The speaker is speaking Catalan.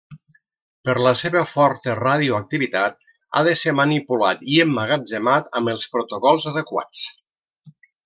Per la seva forta radioactivitat, ha de ser manipulat i emmagatzemat amb els protocols adequats.